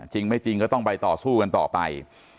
จริงไม่จริงก็ต้องไปต่อสู้กันต่อไป